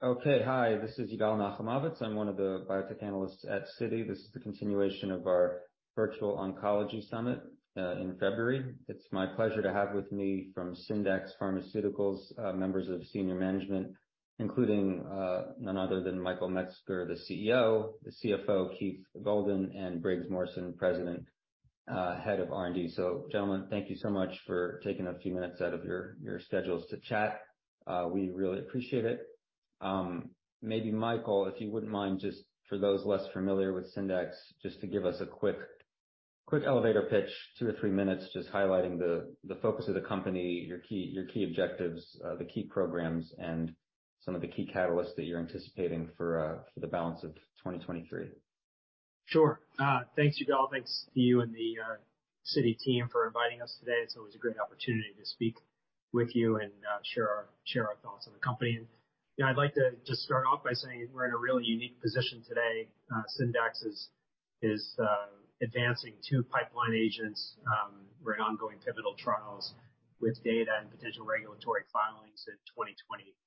Okay. Hi, this is Yigal Nochomovitz. I'm one of the biotech analysts at Citi. This is the continuation of our virtual oncology summit in February. It's my pleasure to have with me from Syndax Pharmaceuticals, members of senior management, including none other than Michael Metzger, the CEO, the CFO, Keith Goldan, and Briggs Morrison, President, Head of R&D. Gentlemen, thank you so much for taking a few minutes out of your schedules to chat. We really appreciate it. Maybe Michael, if you wouldn't mind, just for those less familiar with Syndax, just to give us a quick elevator pitch, two to three minutes, just highlighting the focus of the company, your key objectives, the key programs and some of the key catalysts that you're anticipating for the balance of 2023. Sure. Thanks, Yigal. Thanks to you and the Citi team for inviting us today. It's always a great opportunity to speak with you and share our thoughts on the company. I'd like to just start off by saying we're in a really unique position today. Syndax is advancing two pipeline agents with ongoing pivotal trials with data and potential regulatory filings in 2023.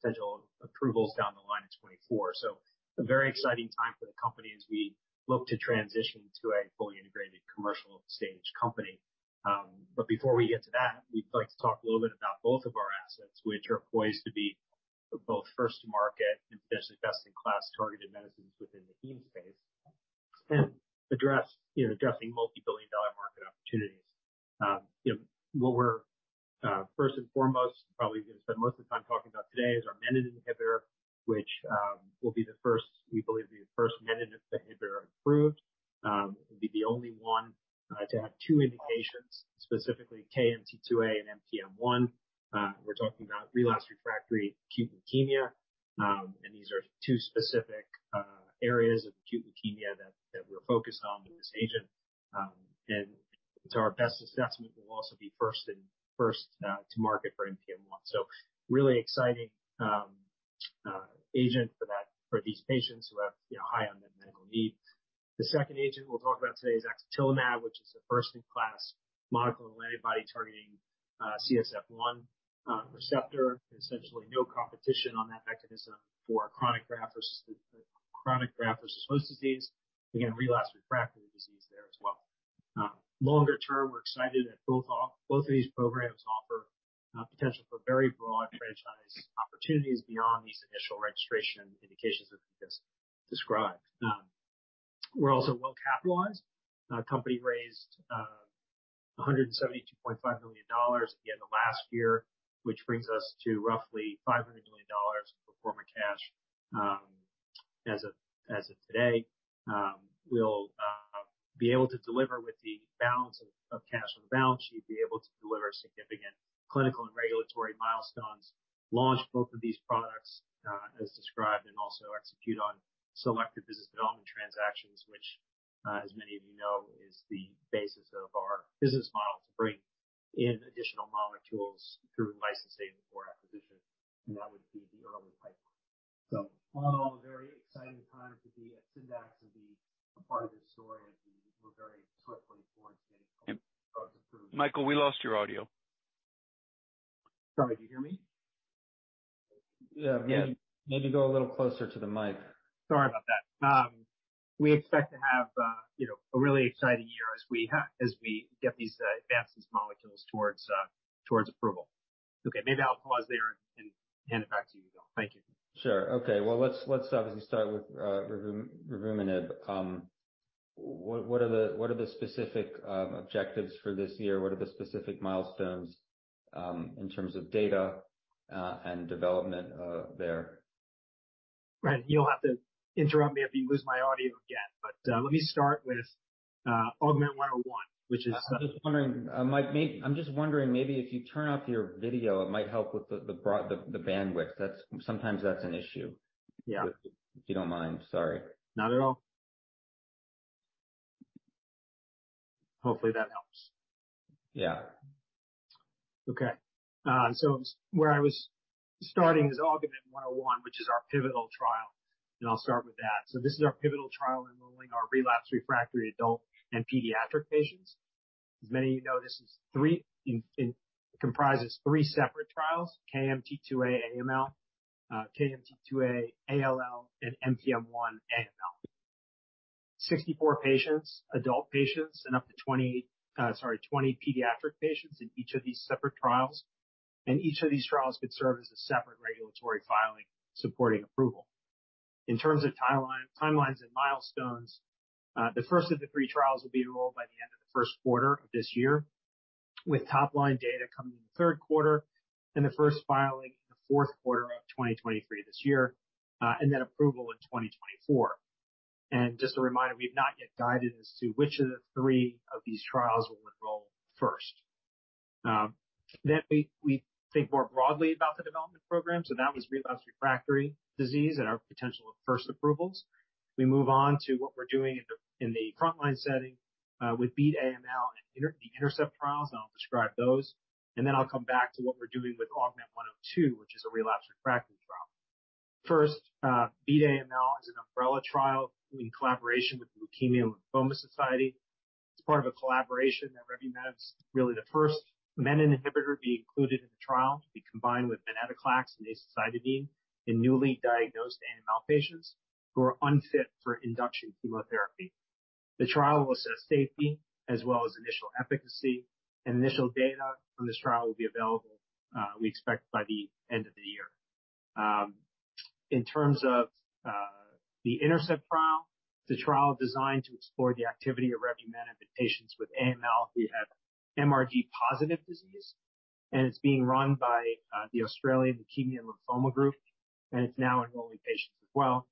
Potential approvals down the line in 2024. A very exciting time for the company as we look to transition to a fully integrated commercial stage company. Before we get to that, we'd like to talk a little bit about both of our assets, which are poised to be both first to market and best in class targeted medicines within the heme space. Addressing multi-billion dollar market opportunities. What we're first and foremost probably going to spend most of the time talking about today is our menin inhibitor, which will be the first, we believe, the first menin inhibitor approved. It will be the only one to have two indications, specifically KMT2A and NPM1. We're talking about relapsed refractory acute leukemia. These are two specific areas of acute leukemia that we're focused on with this agent. To our best assessment, we'll also be first and first to market for NPM1. Really exciting agent for these patients who have, you know, high unmet medical need. The second agent we'll talk about today is axatilimab, which is a first in class monoclonal antibody targeting CSF-1 receptor. Essentially no competition on that mechanism for chronic graft-versus-host disease. Again, relapsed refractory disease there as well. Longer term, we're excited that both of these programs offer potential for very broad franchise opportunities beyond these initial registration indications that we just described. We're also well capitalized. Our company raised $172.5 million at the end of last year, which brings us to roughly $500 million pro forma cash as of today. We'll be able to deliver with the balance of cash on the balance sheet, be able to deliver significant clinical and regulatory milestones. Launch both of these products, as described and also execute on selective business development transactions, which, as many of you know, is the basis of our business model to bring in additional molecules through licensing or acquisition, and that would be the early pipeline. All in all, a very exciting time to be at Syndax and be a part of this story as we move very swiftly towards getting drugs approved. Michael, we lost your audio. Sorry, do you hear me? Yeah. Maybe go a little closer to the mic. Sorry about that. We expect to have, you know, a really exciting year as we advance these molecules towards approval. Okay, maybe I'll pause there and hand it back to you. Thank you. Sure. Okay. let's obviously start with revumenib. What are the specific objectives for this year? What are the specific milestones in terms of data and development there? Right. You'll have to interrupt me if you lose my audio again. Let me start with AUGMENT-101. I'm just wondering maybe if you turn off your video it might help with the bandwidth. Sometimes that's an issue. Yeah. If you don't mind. Sorry. Not at all. Hopefully, that helps. Yeah. Okay. Where I was starting is AUGMENT-101, which is our pivotal trial. I'll start with that. This is our pivotal trial enrolling our relapse refractory adult and pediatric patients. As many of you know, it comprises three separate trials, KMT2A AML, KMT2A ALL, and NPM1 AML. 64 patients, adult patients, and up to 20 pediatric patients in each of these separate trials. Each of these trials could serve as a separate regulatory filing supporting approval. In terms of timeline, timelines and milestones, the first of the three trials will be enrolled by the end of the first quarter of this year, with top line data coming in the third quarter and the first filing in the fourth quarter of 2023 this year, then approval in 2024. Just a reminder, we've not yet guided as to which of the three of these trials will enroll first. We think more broadly about the development program, so that was relapse refractory disease and our potential of first approvals. We move on to what we're doing in the frontline setting with Beat AML and the INTERCEPT trials, and I'll describe those. I'll come back to what we're doing with AUGMENT-102, which is a relapse refractory-First. Beat AML is an umbrella trial in collaboration with The Leukemia & Lymphoma Society. It's part of a collaboration that revumenib's really the first menin inhibitor to be included in the trial to be combined with venetoclax and azacitidine in newly diagnosed AML patients who are unfit for induction chemotherapy. The trial will assess safety as well as initial efficacy. Initial data from this trial will be available, we expect by the end of the year. In terms of the INTERCEPT trial, it's a trial designed to explore the activity of revumenib in patients with AML who have MRD positive disease, and it's being run by the Australasian Leukaemia & Lymphoma Group, and it's now enrolling patients as well.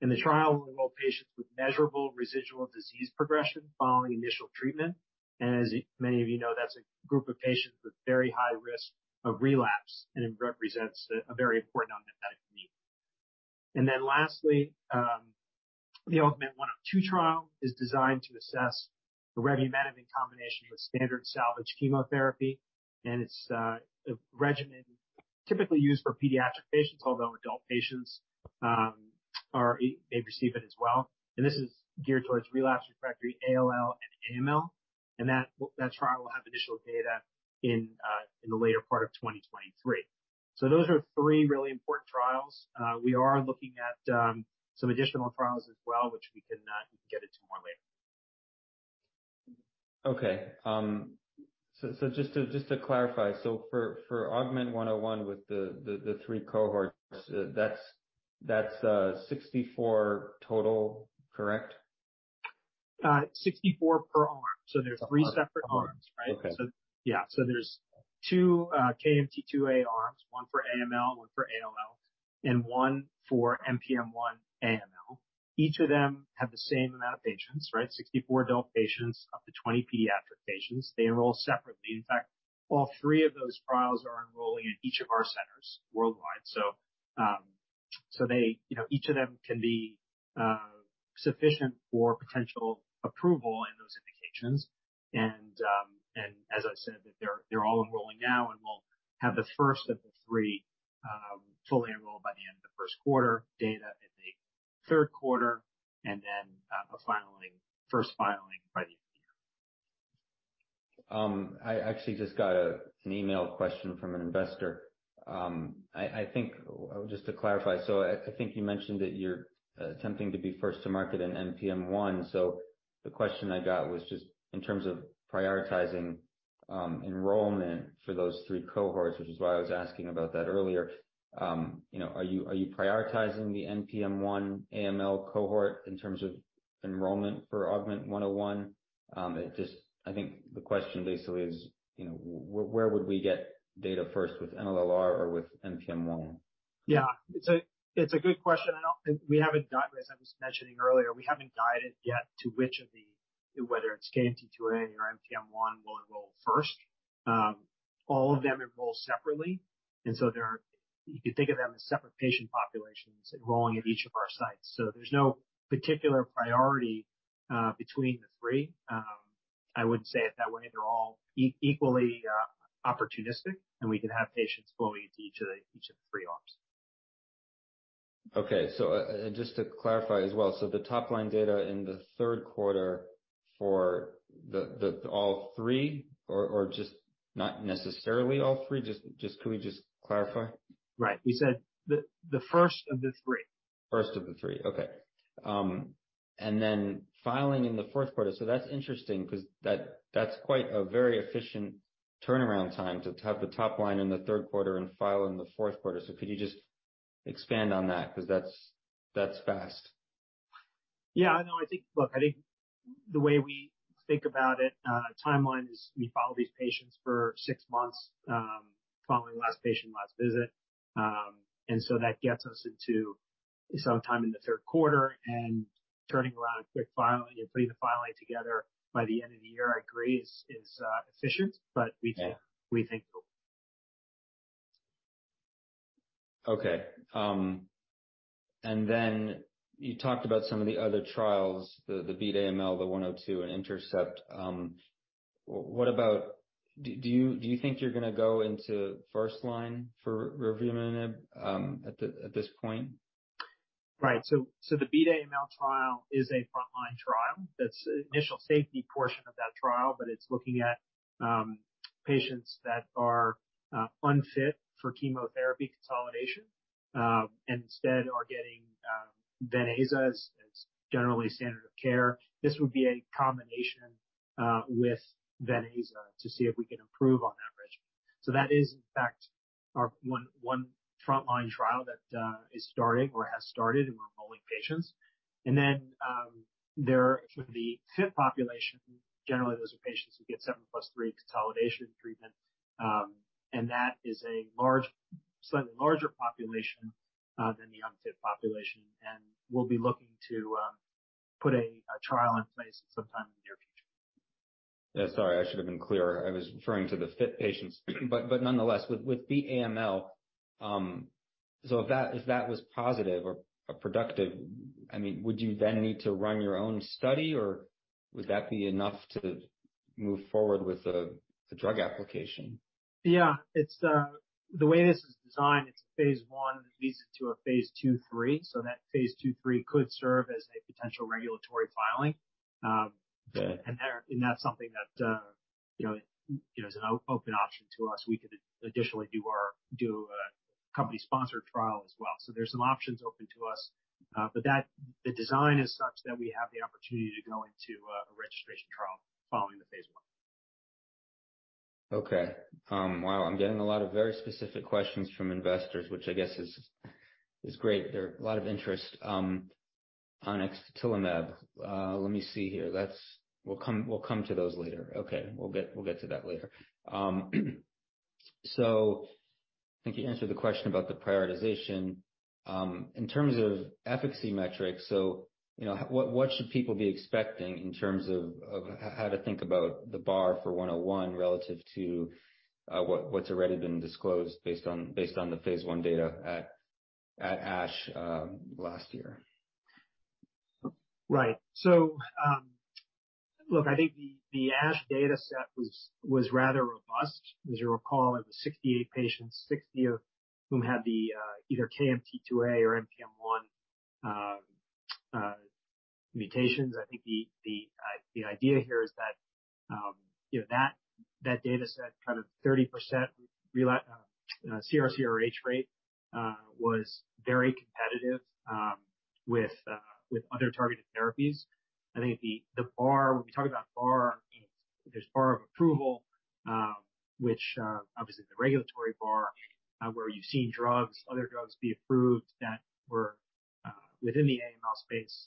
The trial will enroll patients with measurable residual disease progression following initial treatment. As many of you know, that's a group of patients with very high risk of relapse, and it represents a very important unmet medical need. Lastly, the AUGMENT-102 trial is designed to assess the revumenib in combination with standard salvage chemotherapy, and it's a regimen typically used for pediatric patients, although adult patients may receive it as well. This is geared towards relapsed/refractory ALL and AML, and that trial will have initial data in the later part of 2023. Those are three really important trials. We are looking at some additional trials as well, which we can get into more later. Okay. just to clarify, for AUGMENT-101 with the three cohorts, that's 64 total, correct? 64 per arm. There's three separate arms, right? Okay. Yeah. There's two KMT2A arms, one for AML, one for ALL, and one for NPM1 AML. Each of them have the same amount of patients, right? 64 adult patients, up to 20 pediatric patients. They enroll separately. In fact, all three of those trials are enrolling at each of our centers worldwide. They, you know, each of them can be sufficient for potential approval in those indications. As I said, that they're all enrolling now, and we'll have the first of the three fully enrolled by the end of the first quarter, data in the third quarter, a first filing by the end of the year. I actually just got a, an email question from an investor. I think just to clarify, so I think you mentioned that you're attempting to be first to market in NPM1. The question I got was just in terms of prioritizing enrollment for those three cohorts, which is why I was asking about that earlier. You know, are you prioritizing the NPM1 AML cohort in terms of enrollment for AUGMENT-101? I think the question basically is, you know, where would we get data first with MLL-r or with NPM1? Yeah. It's a good question. As I was mentioning earlier, we haven't guided yet to which of the, whether it's KMT2A or NPM1 we'll enroll first. All of them enroll separately. You can think of them as separate patient populations enrolling at each of our sites. There's no particular priority between the three. I would say it that way. They're all equally opportunistic, and we can have patients flowing into each of the three arms. Okay. And just to clarify as well, the top line data in the third quarter for the all three or just not necessarily all three? Just could we just clarify? Right. We said the first of the three. First of the three. Okay. Filing in the fourth quarter. That's interesting 'cause that's quite a very efficient turnaround time to have the top line in the third quarter and file in the fourth quarter. Could you just expand on that? 'Cause that's fast. Yeah. No, look, I think the way we think about it, timeline is we follow these patients for six months, following last patient, last visit. That gets us into some time in the third quarter. Turning around a quick filing and putting the filing together by the end of the year, I agree is efficient- Yeah. We think it will. Okay. You talked about some of the other trials, the Beat AML, the 102 and INTERCEPT. Do you think you're gonna go into first line for revumenib at this point? Right. The Beat AML trial is a frontline trial. That's initial safety portion of that trial, but it's looking at patients that are unfit for chemotherapy consolidation, and instead are getting Venclexta generally standard of care. This would be a combination with Venclexta to see if we can improve on that regimen. That is in fact our one frontline trial that is starting or has started, and we're enrolling patients. Then there should be fit population. Generally, those are patients who get 7+3 consolidation treatment. That is a large, slightly larger population than the unfit population. We'll be looking to put a trial in place sometime in the near future. Yeah, sorry, I should have been clearer. I was referring to the fit patients. Nonetheless, with Beat AML, if that was positive or productive, I mean, would you then need to run your own study, or would that be enough to move forward with the drug application? Yeah. It's... The way this is designed, it's a phase I that leads it to a phase II/III. That phase II/III could serve as a potential regulatory filing. Okay. That's something that, you know, you know, is an open option to us. We could additionally do a company-sponsored trial as well. There's some options open to us. The design is such that we have the opportunity to go into a registration trial following the phase I. Okay. Wow, I'm getting a lot of very specific questions from investors, which I guess is great. There's a lot of interest on axatilimab. Let me see here. We'll come to those later. Okay. We'll get to that later. I think you answered the question about the prioritization. In terms of efficacy metrics, you know, what should people be expecting in terms of how to think about the bar for 101 relative to what's already been disclosed based on the phase I data at ASH last year? Right. look, I think the ASH dataset was rather robust. As you'll recall, it was 68 patients, 60 of whom had the either KMT2A or NPM1 mutations. I think the idea here is that, you know, that dataset kind of 30% CR/CRh rate was very competitive with other targeted therapies. I think the bar, when we talk about bar, you know, there's bar of approval, which obviously the regulatory bar, where you've seen drugs, other drugs be approved that were within the AML space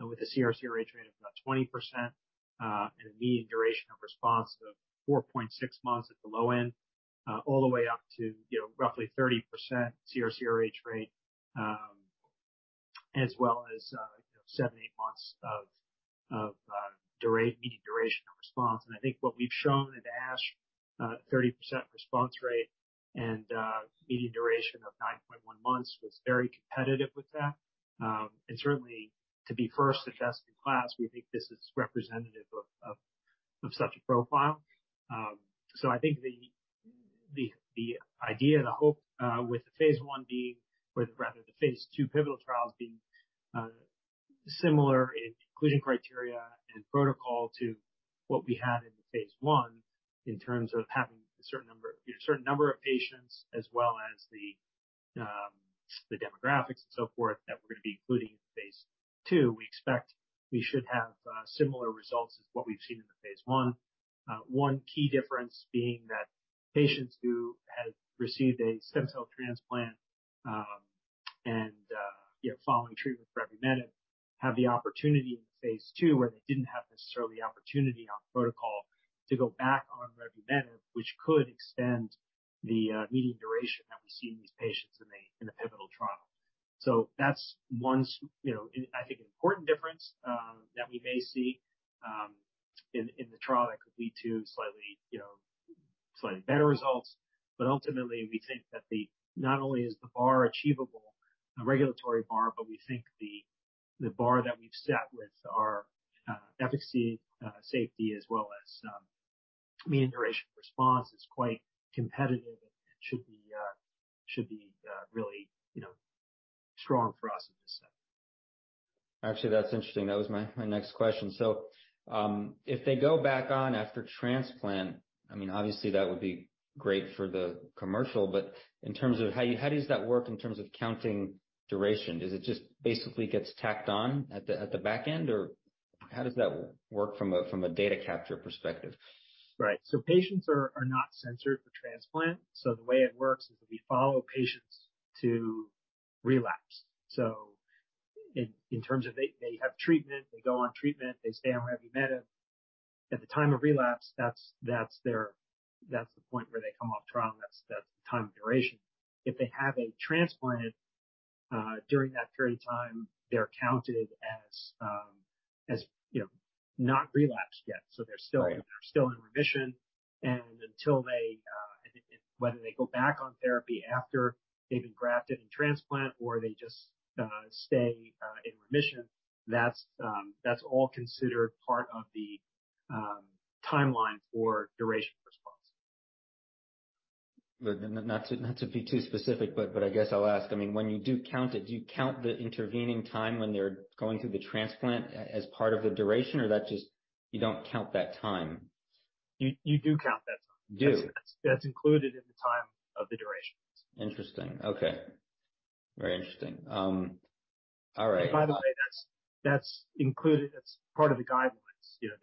with a CR/CRh rate of about 20%, and a median duration of response of 4.6 months at the low end, all the way up to, you know, roughly 30% CR/CRh rate, as well as, you know, seven, eight months of median duration of response. I think what we've shown at ASH, 30% response rate and median duration of 9.1 months was very competitive with that. Certainly to be first the best in class, we think this is representative of such a profile. I think the idea, the hope, with rather the phase II pivotal trials being similar in inclusion criteria and protocol to what we had in the phase I in terms of having a certain number of patients as well as the demographics and so forth that we're gonna be including in phase II we expect we should have similar results as what we've seen in the phase I. One key difference being that patients who have received a stem cell transplant, and, you know, following treatment for revumenib have the opportunity in phase II, where they didn't have necessarily the opportunity on protocol to go back on revumenib, which could extend the median duration that we see in these patients in a pivotal trial. That's one you know, and I think an important difference that we may see in the trial that could lead to slightly, you know, slightly better results. But ultimately, we think that not only is the bar achievable, the regulatory bar, but we think the bar that we've set with our efficacy, safety, as well as median duration response is quite competitive and should be really, you know, strong for us in this setting. Actually, that's interesting. That was my next question. If they go back on after transplant, I mean, obviously that would be great for the commercial, but in terms of how does that work in terms of counting duration? Does it just basically gets tacked on at the back end, or how does that work from a data capture perspective? Right. Patients are not censored for transplant. The way it works is we follow patients to relapse. In terms of they have treatment, they go on treatment, they stay on revumenib. At the time of relapse, that's the point where they come off trial, and that's the time of duration. If they have a transplant, during that period of time, they're counted as, you know, not relapsed yet. Right. They're still in remission. Until they, and whether they go back on therapy after they've been grafted and transplant or they just stay in remission, that's all considered part of the timeline for duration response. Not to be too specific, but I guess I'll ask. I mean, when you do count it, do you count the intervening time when they're going through the transplant as part of the duration, or You don't count that time? You do count that time. You do? That's included in the time of the duration. Interesting. Okay. Very interesting. All right. By the way, that's included. That's part of the guidelines, you know,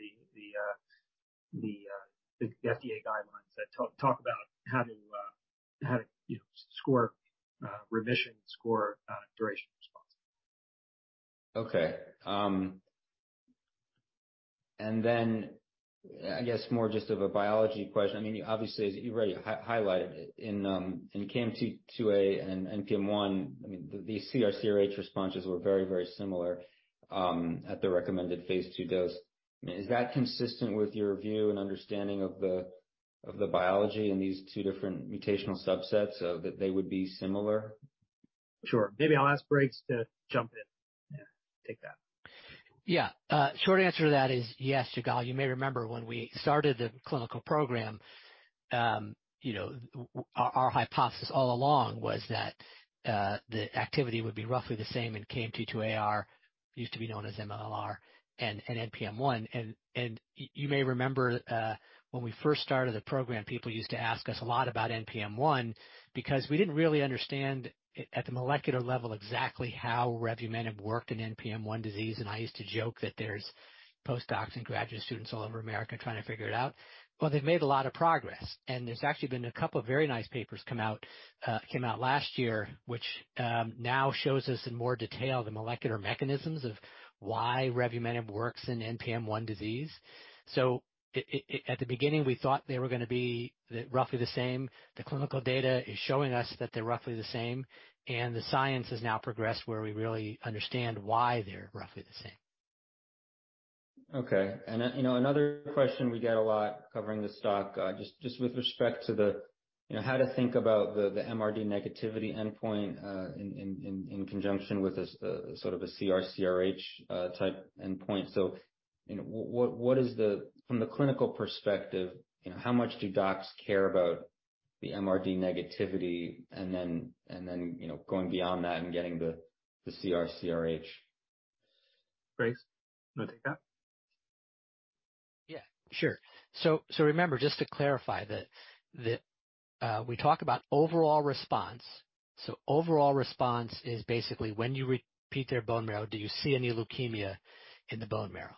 the FDA guidelines that talk about how to, you know, score remission and score duration response. Okay. I guess more just of a biology question. I mean, obviously, as you've already highlighted in KMT2A and NPM1, I mean, these CR/CRh responses were very similar at the recommended phase II dose. I mean, is that consistent with your view and understanding of the biology in these two different mutational subsets that they would be similar? Sure. Maybe I'll ask Briggs to jump in. Take that. Yeah. short answer to that is yes, Yigal. You may remember when we started the clinical program, you know, our hypothesis all along was that the activity would be roughly the same in KMT2AR, used to be known as MLL-r and NPM1. You may remember when we first started the program, people used to ask us a lot about NPM1 because we didn't really understand at the molecular level exactly how revumenib worked in NPM1 disease. I used to joke that there's post-docs and graduate students all over America trying to figure it out. Well, they've made a lot of progress, and there's actually been a couple of very nice papers come out, came out last year, which now shows us in more detail the molecular mechanisms of why revumenib works in NPM1 disease. At the beginning, we thought they were gonna be roughly the same. The clinical data is showing us that they're roughly the same, and the science has now progressed where we really understand why they're roughly the same. Okay. You know, another question we get a lot covering the stock, just with respect to the. You know, how to think about the MRD negativity endpoint, in conjunction with the sort of a CR/CRh, type endpoint. You know, what is the From the clinical perspective, you know, how much do docs care about the MRD negativity and then, you know, going beyond that and getting the CR/CRh? Briggs, you want to take that? Yeah. Sure. So remember, just to clarify that, we talk about overall response. Overall response is basically when you repeat their bone marrow, do you see any leukemia in the bone marrow?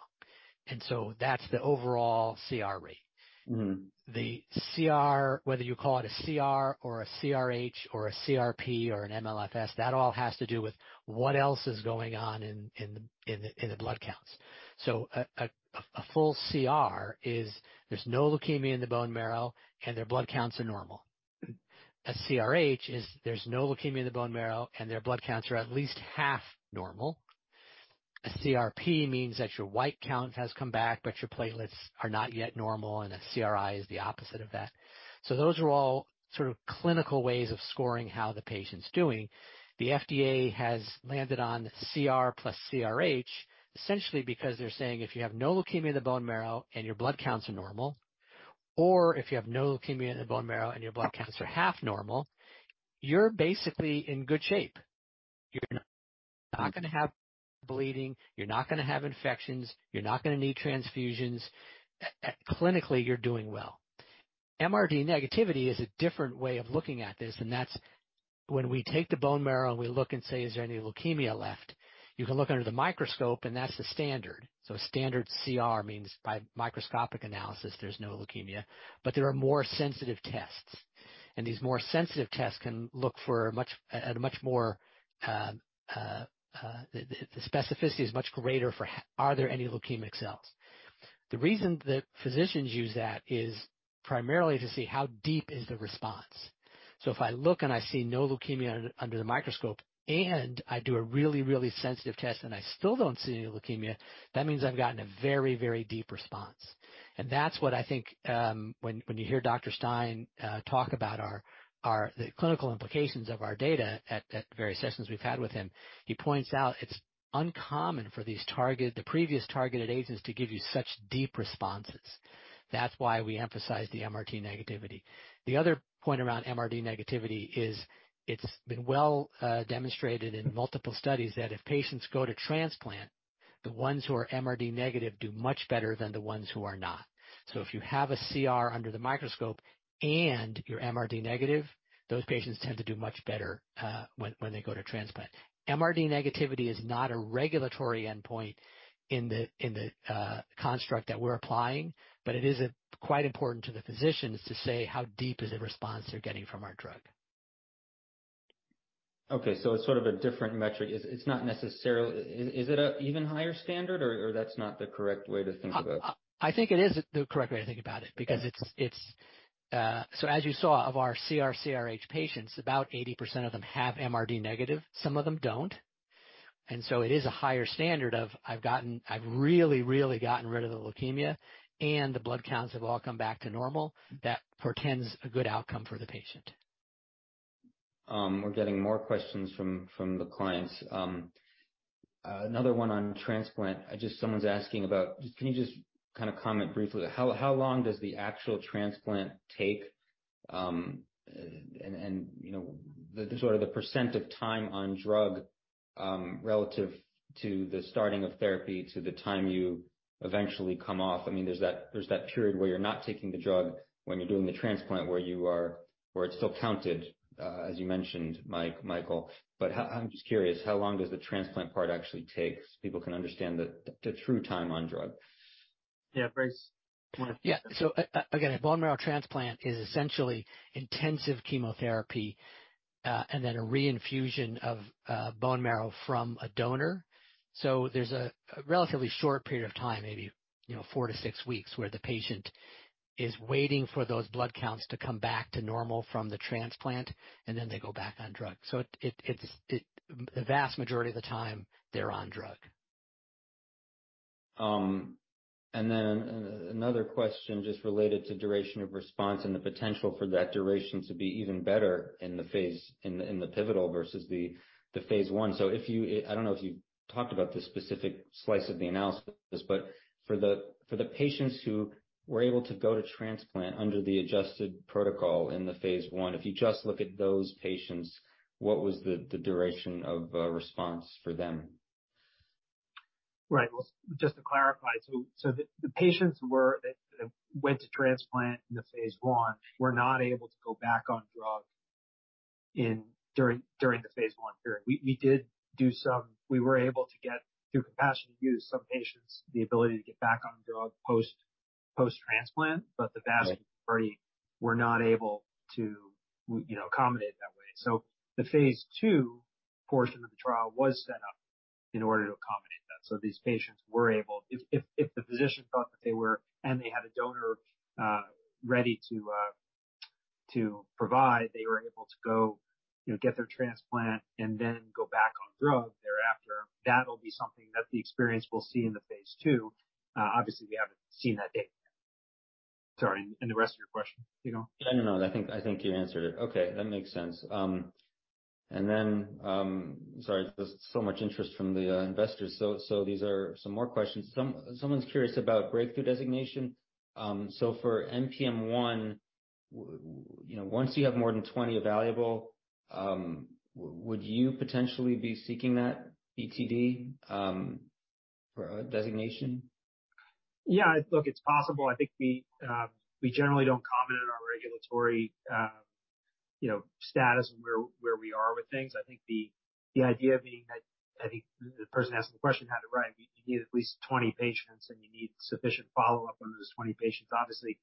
That's the overall CR rate. Mm-hmm. The CR, whether you call it a CR or a CRh or a CRp or an MLFS, that all has to do with what else is going on in the blood counts. A full CR is there's no leukemia in the bone marrow and their blood counts are normal. A CRh is there's no leukemia in the bone marrow and their blood counts are at least half normal. A CRp means that your white count has come back, but your platelets are not yet normal, and a CRi is the opposite of that. Those are all sort of clinical ways of scoring how the patient's doing. The FDA has landed on CR plus CRh essentially because they're saying if you have no leukemia in the bone marrow and your blood counts are normal, or if you have no leukemia in the bone marrow and your blood counts are half normal, you're basically in good shape. You're not gonna have bleeding. You're not gonna have infections. You're not gonna need transfusions. Clinically, you're doing well. MRD negativity is a different way of looking at this, and that's when we take the bone marrow and we look and say, "Is there any leukemia left?" You can look under the microscope, and that's the standard. Standard CR means by microscopic analysis, there's no leukemia. There are more sensitive tests, and these more sensitive tests can look for a much, at a much more, the specificity is much greater for Are there any leukemic cells? The reason that physicians use that is primarily to see how deep is the response. If I look and I see no leukemia under the microscope and I do a really, really sensitive test and I still don't see any leukemia, that means I've gotten a very, very deep response. That's what I think, when you hear Dr. Stein talk about our the clinical implications of our data at various sessions we've had with him. He points out it's uncommon for these the previous targeted agents to give you such deep responses. That's why we emphasize the MRD negativity. The other point around MRD negativity is it's been well demonstrated in multiple studies that if patients go to transplant, the ones who are MRD negative do much better than the ones who are not. If you have a CR under the microscope and you're MRD negative, those patients tend to do much better when they go to transplant. MRD negativity is not a regulatory endpoint in the construct that we're applying, but it is quite important to the physicians to say how deep is the response they're getting from our drug. Okay. It's sort of a different metric. Is it a even higher standard, or that's not the correct way to think about it? I think it is the correct way to think about it because it's. As you saw of our CR/CRh patients, about 80% of them have MRD negative, some of them don't. It is a higher standard of I've really gotten rid of the leukemia, and the blood counts have all come back to normal. That portends a good outcome for the patient. We're getting more questions from the clients. Another one on transplant. Just someone's asking about. Can you just kinda comment briefly, how long does the actual transplant take? You know, the sort of the percent of time on drug, relative to the starting of therapy to the time you eventually come off. I mean, there's that period where you're not taking the drug when you're doing the transplant where it's still counted, as you mentioned, Michael. How. I'm just curious, how long does the transplant part actually take so people can understand the true time on drug? Yeah. Briggs, do you want to? Yeah. again, a bone marrow transplant is essentially intensive chemotherapy, and then a reinfusion of bone marrow from a donor. There's a relatively short period of time, maybe, you know, four to six weeks, where the patient is waiting for those blood counts to come back to normal from the transplant, and then they go back on drug. It's the vast majority of the time they're on drug. Another question just related to duration of response and the potential for that duration to be even better in the pivotal versus the phase I. If you I don't know if you talked about this specific slice of the analysis, but for the patients who were able to go to transplant under the adjusted protocol in the phase I, if you just look at those patients, what was the duration of response for them? Right. Well, just to clarify, the patients that went to transplant in the phase I were not able to go back on drug during the phase I period. We were able to get, through compassionate use, some patients the ability to get back on drug post-transplant. Right. The vast majority were not able to, you know, accommodate that way. The phase II portion of the trial was set up in order to accommodate that. These patients were able to. If the physician thought that they were and they had a donor ready to provide, they were able to go, you know, get their transplant and then go back on drug thereafter. That'll be something that the experience we'll see in the phase II. Obviously we haven't seen that data yet. Sorry, the rest of your question, Yigal? No, no. I think you answered it. Okay. That makes sense. Then, sorry, there's so much interest from the investors. These are some more questions. Someone's curious about Breakthrough Therapy designation. For NPM1, you know, once you have more than 20 evaluable, would you potentially be seeking that BTD designation? Yeah. Look, it's possible. I think we generally don't comment on our regulatory, you know, status and where we are with things. I think the idea being that I think the person asking the question had it right. You need at least 20 patients, and you need sufficient follow-up on those 20 patients. Obviously,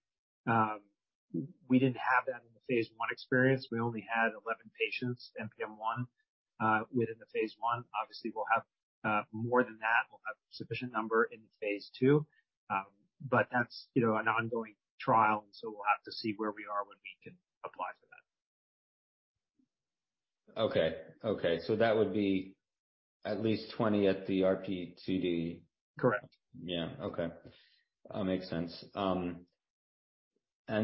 we didn't have that in the phase I experience. We only had 11 patients, NPM1, within the phase I. Obviously, we'll have more than that. We'll have sufficient number in phase II. That's, you know, an ongoing trial, and so we'll have to see where we are when we can apply for that. Okay. Okay. That would be at least 20 at the RP2D. Correct. Yeah. Okay. That makes sense. And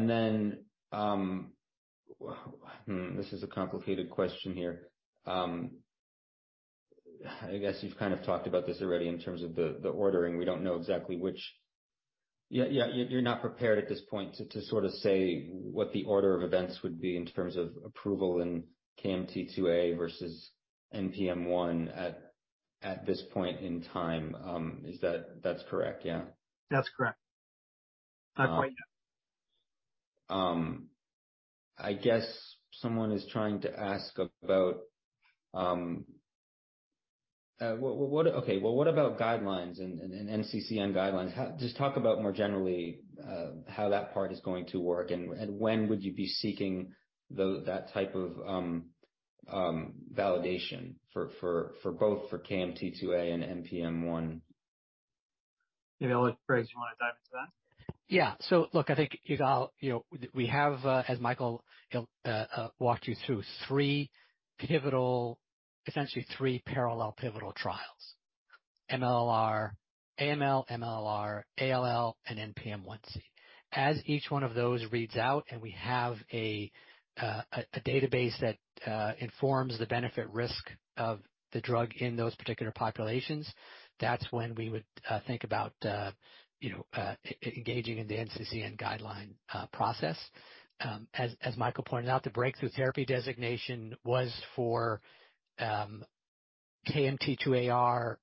then, Hmm, this is a complicated question here. I guess you've kind of talked about this already in terms of the ordering. We don't know exactly which... Yeah, you're not prepared at this point to sort of say what the order of events would be in terms of approval in KMT2A versus NPM1 at this point in time, is that? That's correct. Yeah. That's correct. At point, yeah. I guess someone is trying to ask about, Okay, well, what about guidelines and NCCN guidelines? Just talk about more generally, how that part is going to work and when would you be seeking that type of validation for both for KMT2A and NPM1? You know what, Briggs, do you wanna dive into that? Look, I think, Yigal, you know, we have, as Michael walked you through three essentially three parallel pivotal trials, MLL-r AML, MLL-r ALL and NPM1 C. As each one of those reads out, and we have a database that informs the benefit risk of the drug in those particular populations, that's when we would think about, you know, engaging in the NCCN guideline process. As Michael pointed out, the Breakthrough Therapy designation was for KMT2AR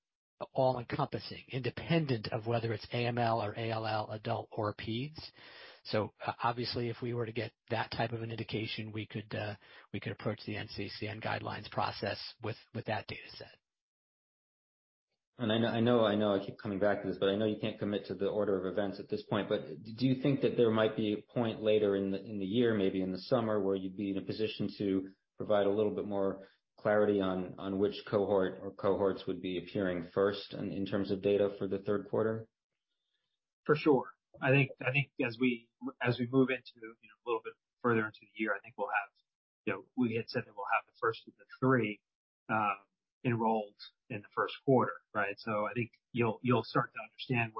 all-encompassing, independent of whether it's AML or ALL, adult or pedes. Obviously, if we were to get that type of an indication, we could approach the NCCN guidelines process with that data set. I know I keep coming back to this, but I know you can't commit to the order of events at this point, but do you think that there might be a point later in the year, maybe in the summer, where you'd be in a position to provide a little bit more clarity on which cohort or cohorts would be appearing first in terms of data for the third quarter? For sure. I think as we move into, you know, a little bit further into the year, we had said that we'll have the first of the three enrolled in the first quarter, right? I think you'll start to understand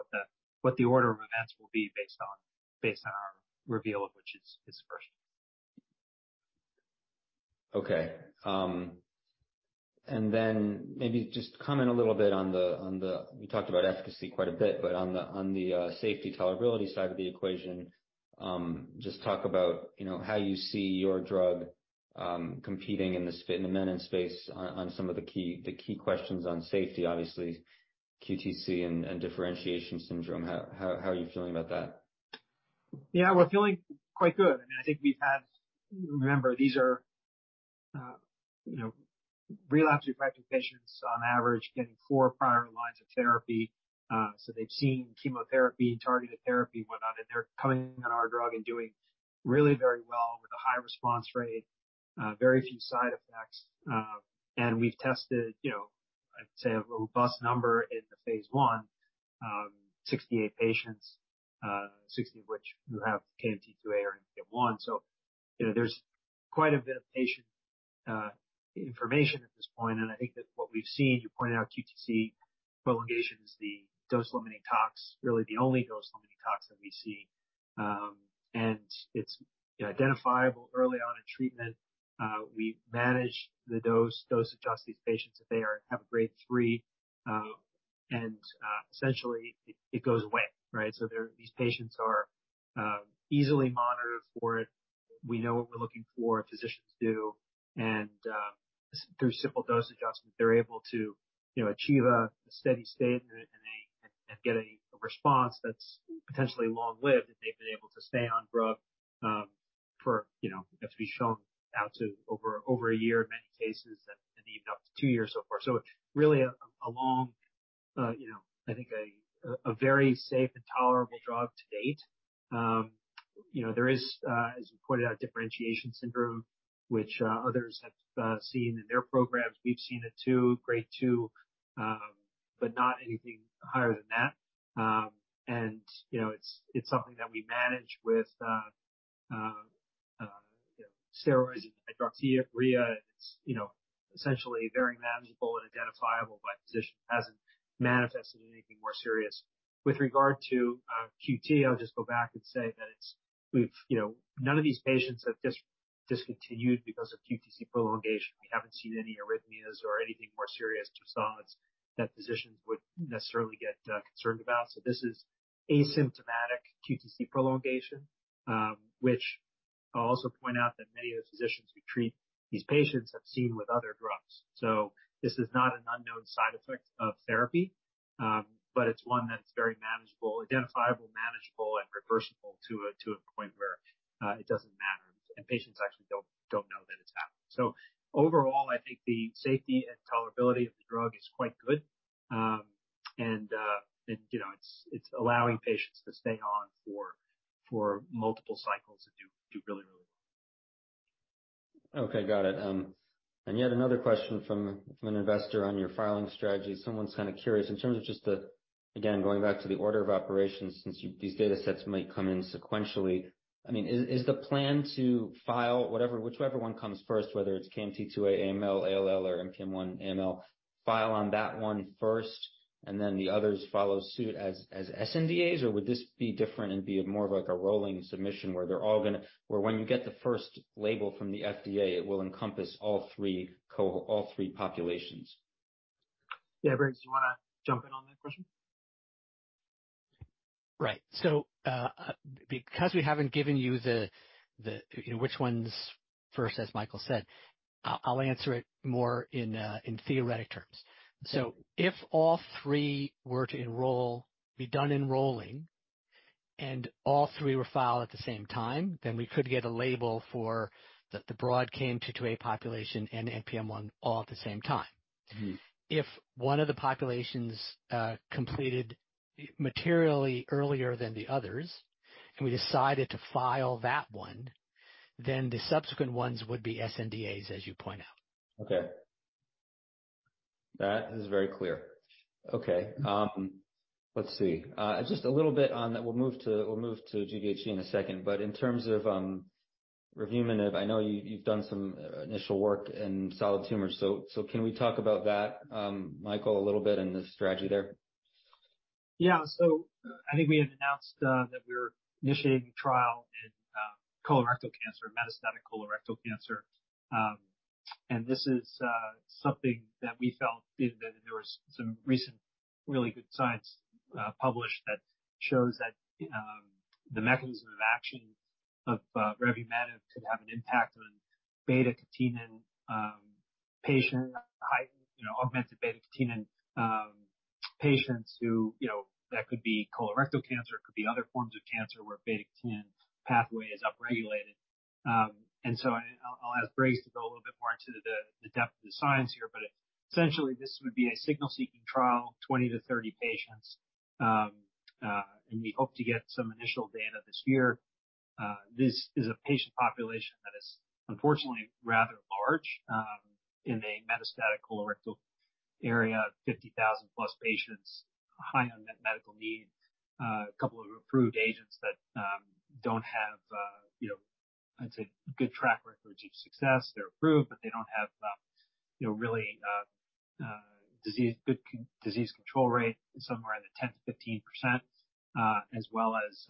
what the order of events will be based on, based on our reveal of which is first. Okay. Maybe just comment a little bit. You talked about efficacy quite a bit, but on the safety tolerability side of the equation, just talk about, you know, how you see your drug competing in the maintenance space on some of the key questions on safety, obviously QTC and differentiation syndrome. How are you feeling about that? Yeah, we're feeling quite good. I mean, I think we've had... Remember, these are, you know, relapsed refractory patients on average getting four prior lines of therapy. They've seen chemotherapy, targeted therapy and whatnot, and they're coming on our drug and doing really very well with a high response rate, very few side effects. We've tested, you know, I'd say a robust number in the phase I, 68 patients, 60 of which who have KMT2A or NPM1. You know, there's quite a bit of patient information at this point, and I think that what we've seen, you pointed out QTC prolongation is the dose-limiting tox, really the only dose-limiting tox that we see. And it's identifiable early on in treatment. We manage the dose adjust these patients if they have a Grade 3, and essentially it goes away, right? These patients are easily monitored for it. We know what we're looking for, physicians do, and through simple dose adjustment, they're able to, you know, achieve a steady state and get a response that's potentially long-lived, that they've been able to stay on drug, for, you know, to be shown out to over a year in many cases, and even up to two years so far. Really a long, you know, I think a very safe and tolerable drug to date. You know, there is, as you pointed out, differentiation syndrome, which others have seen in their programs. We've seen it too, Grade 2, not anything higher than that. You know, it's something that we manage with, you know, steroids and hydroxyurea. It's, you know, essentially very manageable and identifiable by physician. Hasn't manifested in anything more serious. With regard to QT, I'll just go back and say that it's. We've, you know, none of these patients have discontinued because of QTC prolongation. We haven't seen any arrhythmias or anything more serious besides that physicians would necessarily get concerned about. This is asymptomatic QTC prolongation, which I'll also point out that many of the physicians who treat these patients have seen with other drugs. This is not an unknown side effect of therapy, but it's one that's very manageable, identifiable, manageable, and reversible to a point where it doesn't matter, and patients actually don't know that it's happened. Overall, I think the safety and tolerability of the drug is quite good, and, you know, it's allowing patients to stay on for multiple cycles and do really, really well. Okay, got it. And yet another question from an investor on your filing strategy. Someone's kinda curious in terms of just again, going back to the order of operations, since these datasets might come in sequentially. I mean, is the plan to file whichever one comes first, whether it's KMT2A AML, ALL, or NPM1 AML, file on that one first, and then the others follow suit as sNDAs? Or would this be different and be more of like a rolling submission where they're all gonna when you get the first label from the FDA, it will encompass all three populations? Yeah. Briggs, do you wanna jump in on that question? Right. Because we haven't given you the, you know, which one's first, as Michael said, I'll answer it more in theoretic terms. If all three were to enroll, be done enrolling, and all three were filed at the same time, then we could get a label for the broad KMT2A population and NPM1 all at the same time. Mm-hmm. If one of the populations completed materially earlier than the others, and we decided to file that one, then the subsequent ones would be sNDAs, as you point out. Okay. That is very clear. Okay. Let's see. Just a little bit on that. We'll move to GVHD in a second. In terms of revumenib, I know you've done some initial work in solid tumors, can we talk about that, Michael, a little bit and the strategy there? Yeah. I think we had announced that we're initiating trial in colorectal cancer, metastatic colorectal cancer. This is something that we felt given that there was some recent really good science published that shows that the mechanism of action of revumenib could have an impact on beta-catenin, patient high, you know, augmented beta-catenin patients who, you know, that could be colorectal cancer, it could be other forms of cancer where beta-catenin pathway is upregulated. I'll ask Briggs to go a little bit more into the depth of the science here, but essentially this would be a signal-seeking trial, 20-30 patients. We hope to get some initial data this year. This is a patient population that is unfortunately rather large, in the metastatic colorectal area, 50,000+ patients, high unmet medical need. A couple of approved agents that don't have, you know, I'd say a good track record or achieve success. They're approved, but they don't have, you know, really, good disease control rate, somewhere in the 10%-15%, as well as,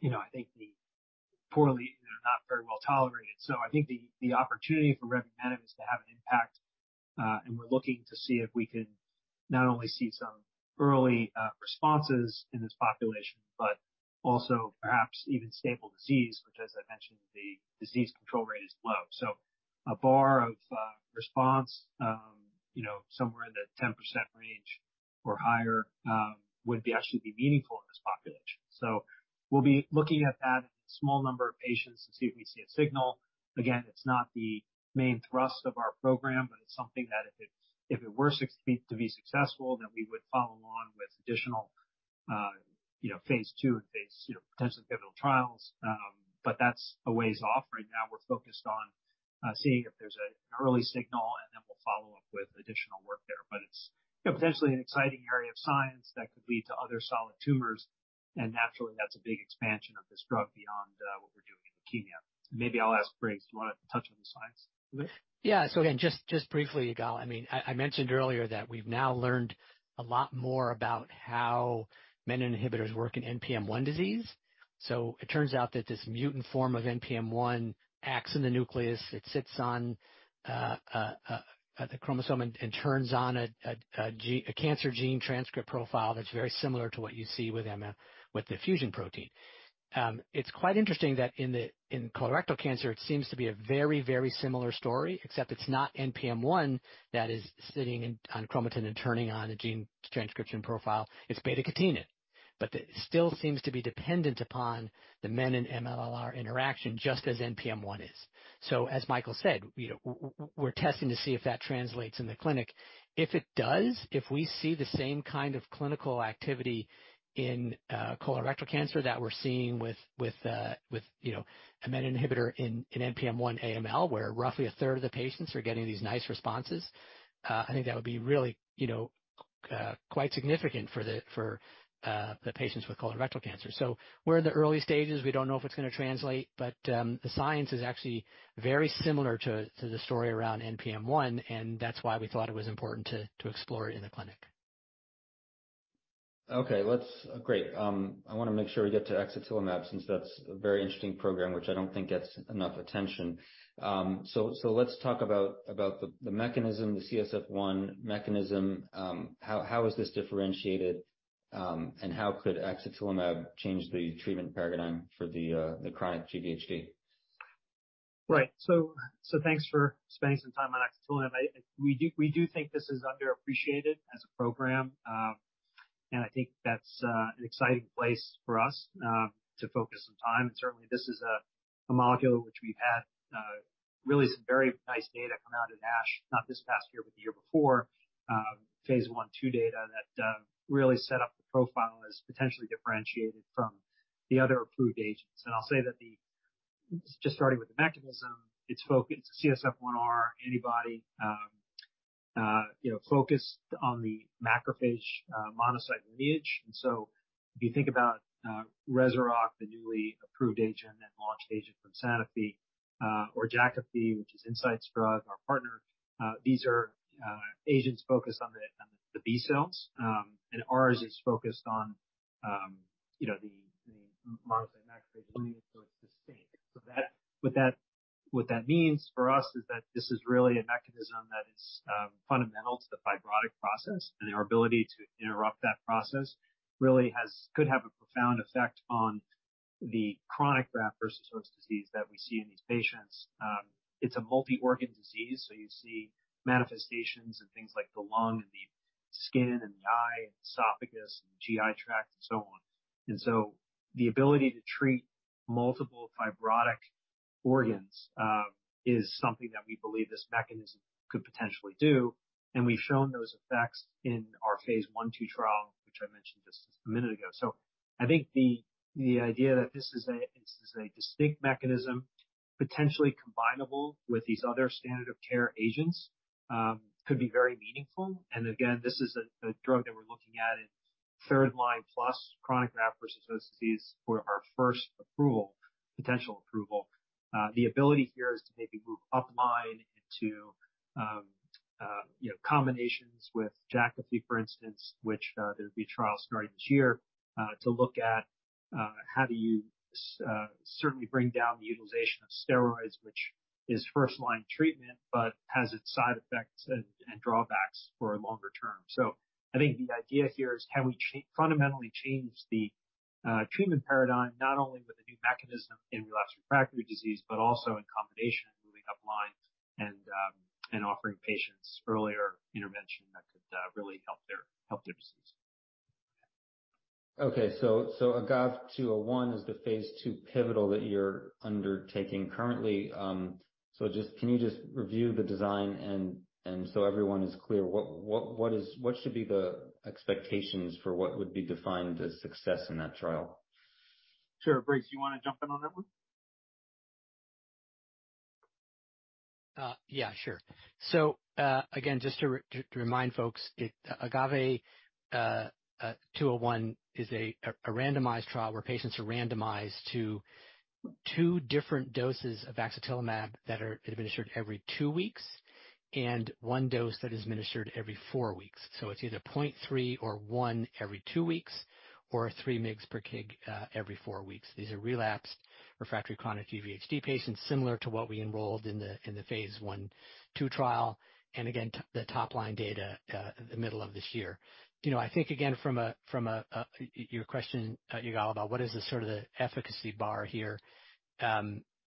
you know, I think they're not very well tolerated. I think the opportunity for revumenib is to have an impact, and we're looking to see if we can not only see some early, responses in this population, but also perhaps even stable disease, which as I mentioned, the disease control rate is low. A bar of, response, you know, somewhere in the 10% range or higher, would be actually be meaningful in this population. We'll be looking at that in a small number of patients and see if we see a signal. Again, it's not the main thrust of our program, but it's something that if it were to be successful, then we would follow on with additional, you know, phase II and phase, you know, potentially pivotal trials. That's a ways off. Right now, we're focused on, seeing if there's an early signal, and then we'll follow up with additional. You know, potentially an exciting area of science that could lead to other solid tumors, and naturally, that's a big expansion of this drug beyond what we're doing in leukemia. Maybe I'll ask Briggs, do you wanna touch on the science a bit? Yeah. again, just briefly, Yigal, I mean, I mentioned earlier that we've now learned a lot more about how menin inhibitors work in NPM1 disease. It turns out that this mutant form of NPM1 acts in the nucleus. It sits on a chromosome and turns on a cancer gene transcript profile that's very similar to what you see with myelofibrosis, with the fusion protein. It's quite interesting that in the colorectal cancer, it seems to be a very similar story, except it's not NPM1 that is sitting in, on chromatin and turning on a gene transcription profile. It's beta-catenin. It still seems to be dependent upon the menin-MLL interaction, just as NPM1 is. as Michael said, you know, we're testing to see if that translates in the clinic. If it does, if we see the same kind of clinical activity in colorectal cancer that we're seeing with, you know, a menin inhibitor in NPM1 AML, where roughly a third of the patients are getting these nice responses, I think that would be really, you know, quite significant for the patients with colorectal cancer. We're in the early stages. We don't know if it's gonna translate, but the science is actually very similar to the story around NPM1. That's why we thought it was important to explore it in the clinic. Okay, great. I wanna make sure we get to axatilimab, since that's a very interesting program which I don't think gets enough attention. Let's talk about the mechanism, the CSF1 mechanism. How is this differentiated, and how could axatilimab change the treatment paradigm for the chronic GVHD? Right. thanks for spending some time on axatilimab. We think this is underappreciated as a program, and I think that's an exciting place for us to focus some time. Certainly, this is a molecule which we've had really some very nice data come out of ASH, not this past year, but the year before, phase I/II data that really set up the profile as potentially differentiated from the other approved agents. I'll say that Just starting with the mechanism, it's focused CSF1R antibody, you know, focused on the macrophage, monocyte lineage. If you think about REZUROCK, the newly approved agent and launched agent from Sanofi, or Jakafi, which is Incyte's drug, our partner, these are agents focused on the B-cells, and ours is focused on, you know, the monocyte macrophage lineage, so it's distinct. What that means for us is that this is really a mechanism that is fundamental to the fibrotic process, and our ability to interrupt that process really could have a profound effect on the chronic graft-versus-host disease that we see in these patients. It's a multi-organ disease, so you see manifestations in things like the lung and the skin and the eye and esophagus and GI tract and so on. The ability to treat multiple fibrotic organs, is something that we believe this mechanism could potentially do, and we've shown those effects in our phase I/II trial, which I mentioned just a minute ago. I think the idea that this is a, this is a distinct mechanism, potentially combinable with these other standard of care agents, could be very meaningful. This is a drug that we're looking at in third line plus chronic graft-versus-host disease for our first approval, potential approval. The ability here is to maybe move up line into, you know, combinations with Jakafi, for instance, which there'll be a trial starting this year, to look at, how do you certainly bring down the utilization of steroids, which is first-line treatment, but has its side effects and drawbacks for a longer term. I think the idea here is can we fundamentally change the treatment paradigm not only with a new mechanism in relapsed refractory disease, but also in combination moving up lines and offering patients earlier intervention that could really help their disease. Okay. AGAVE-201 is the phase II pivotal that you're undertaking currently. Can you just review the design and everyone is clear, what should be the expectations for what would be defined as success in that trial? Sure. Briggs, you wanna jump in on that one? Yeah, sure. Again, just to remind folks, AGAVE-201 is a randomized trial where patients are randomized to two different doses of axatilimab that are administered every two weeks, and one dose that is administered every four weeks. It's either 0.3 or one every two weeks or 3 mgs per kg, every four weeks. These are relapsed refractory chronic GVHD patients, similar to what we enrolled in the phase I/II trial. Again, the top line data, the middle of this year. You know, I think again, from a, from a, your question, Yigal, about what is the sort of the efficacy bar here,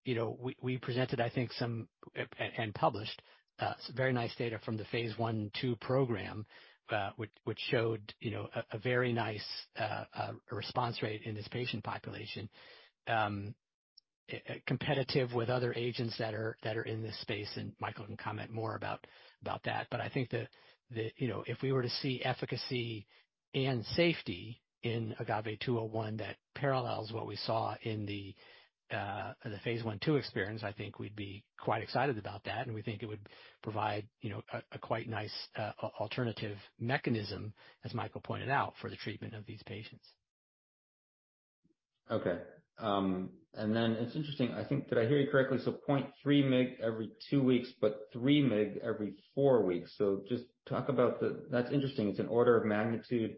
you know, we presented, I think some, and published, some very nice data from the phase I/II program, which showed, you know, a very nice response rate in this patient population, competitive with other agents that are in this space, and Michael can comment more about that. I think the, you know, if we were to see efficacy and safety in AGAVE-201 that parallels what we saw in the phase I/II experience, I think we'd be quite excited about that, and we think it would provide, you know, a quite nice alternative mechanism, as Michael pointed out, for the treatment of these patients. Okay. Then it's interesting. Did I hear you correctly? 0.3 mg every two weeks, but 3 mg every four weeks. Just talk about. That's interesting. It's an order of magnitude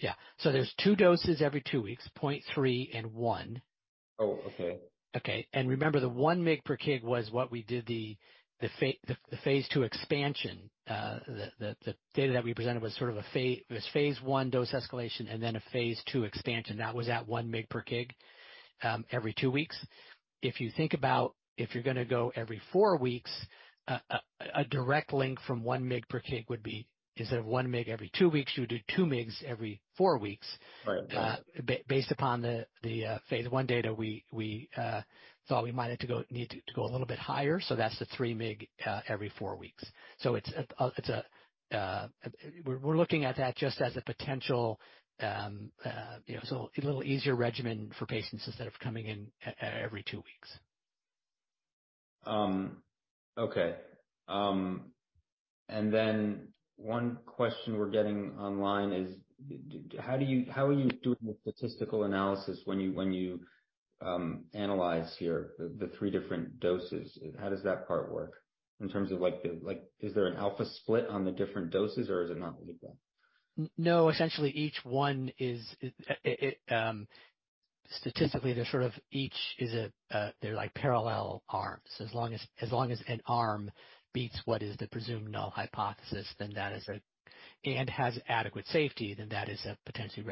higher. Yeah. there's two doses every two weeks, 0.3 and one. Oh, okay. Okay. Remember, the 1 mg per kg was what we did the phase II expansion. The data that we presented was sort of a phase I dose escalation and then a phase II expansion. That was at 1 mg per kg every two weeks. If you think about if you're gonna go every four weeks, a direct link from 1 mg per kg would be, instead of 1 mg every two weeks, you would do 2 mgs every four weeks. Right. Based upon the phase I data, we thought we might need to go a little bit higher. That's the 3 mg, every four weeks. We're looking at that just as a potential, you know, so a little easier regimen for patients instead of coming in every two weeks. Okay. One question we're getting online is how are you doing the statistical analysis when you analyze here the three different doses? How does that part work in terms of like the, is there an alpha split on the different doses, or is it not like that? No, essentially each one is, it, statistically, they're sort of each is a, they're like parallel arms. As long as an arm beats what is the presumed null hypothesis, and has adequate safety, then that is a potentially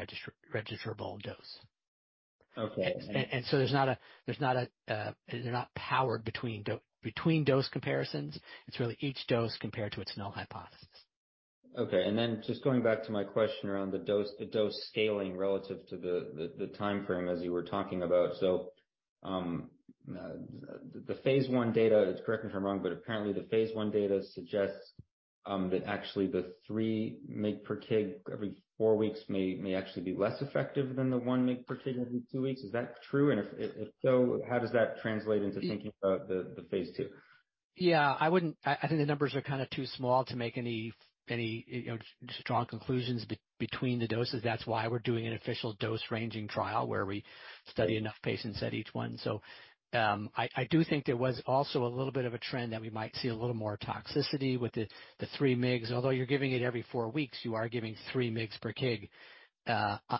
registrable dose. Okay. There's not a, they're not powered between dose comparisons. It's really each dose compared to its null hypothesis. Okay. Just going back to my question around the dose scaling relative to the timeframe as you were talking about. The phase I data, correct me if I'm wrong, but apparently the phase I data suggests, that actually the 3 mg per kg every four weeks may actually be less effective than the 1 mg per kg every two weeks. Is that true? If so, how does that translate into thinking about the phase II? Yeah. I wouldn't, I think the numbers are kind of too small to make any, you know, strong conclusions between the doses. That's why we're doing an official dose-ranging trial where we study enough patients at each one. I do think there was also a little bit of a trend that we might see a little more toxicity with the 3 mgs. Although you're giving it every four weeks, you are giving 3 mgs per kg,